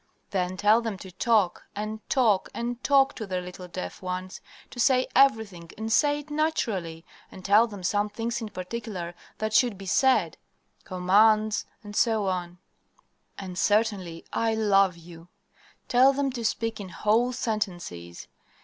"Then tell them to talk, and talk, and talk, to their little deaf ones to say everything and say it naturally. And tell them some things in particular that should be said commands, etc., and certainly 'I love you.' Tell them to speak in whole sentences.